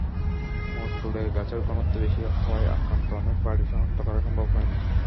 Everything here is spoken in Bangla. মংডুতে গাছের ঘনত্ব বেশি হওয়ায় আক্রান্ত অনেক বাড়ি শনাক্ত করা সম্ভব হয়নি।